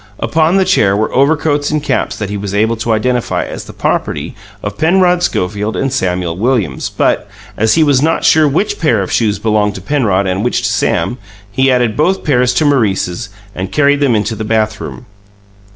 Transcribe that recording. Upon the chair were overcoats and caps that he was able to identify as the property of Penrod Schofield and Samuel Williams; but, as he was not sure which pair of shoes belonged to Penrod and which to Sam, he added both pairs to Maurice's and carried them into the bathroom.